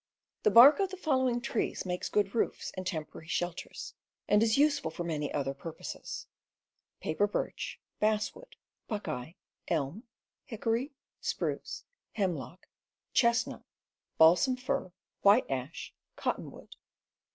The bark of the following trees makes good roofs and temporary shelters, and is useful for many other T, ,. purposes: paper birch, basswood, buek ;_ eye, elm, hickory, spruce, hemlock, chestnut, balsam fir, white ash, cotton wood.